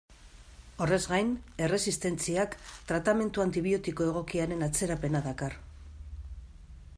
Horrez gain, erresistentziak tratamendu antibiotiko egokiaren atzerapena dakar.